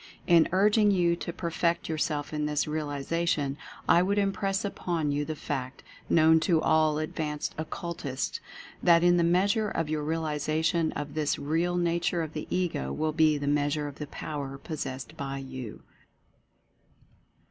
In urging you to perfect yourself in this realization I would impress upon you the fact, known to all ad vanced Occultists, that in the measure of your realiza tion of this Real Nature of the Ego will be the measure of the Power possessed by You.